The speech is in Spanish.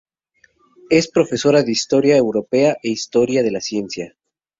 Es profesora de Historia Europea e Historia de la ciencia.